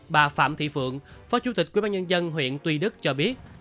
bà phạm thị phượng phó chủ tịch quyên bán nhân dân huyện tuy đức cho biết